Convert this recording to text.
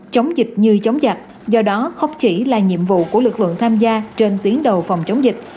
chống dịch như chống giặc do đó không chỉ là nhiệm vụ của lực lượng tham gia trên tuyến đầu phòng chống dịch